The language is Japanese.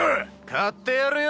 買ってやるよ